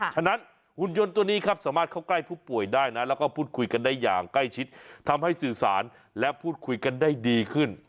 ฉะนั้นหุ่นยนต์ตัวนี้ครับสามารถเข้าใกล้ผู้ป่วยได้นะแล้วก็พูดคุยกันได้อย่างใกล้ชิดทำให้สื่อสารและพูดคุยกันได้ดีขึ้น